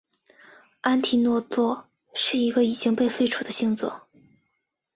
安提诺座是一个已经被废除的星座。